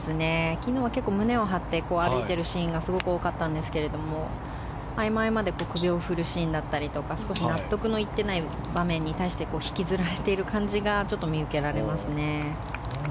昨日は結構胸を張って歩いているシーンがすごく多かったんですけど合間、合間で首を振るシーンだったりとか少し納得のいっていない場面に対して引きずられている感じがちょっと見受けられますね。